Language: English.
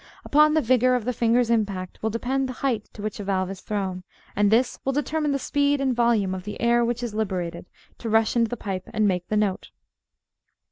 Upon the vigour of the finger's impact will depend the height to which a valve is thrown, and this will determine the speed and volume of the air which is liberated to rush into the pipe and make the note.